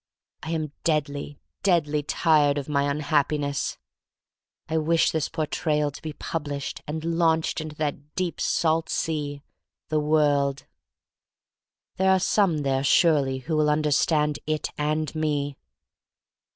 I am deadly, deadly tired of my un happiness. I wish this Portrayal to be published and launched into that deep salt sea — the world. There are some there surely who will understand it and me.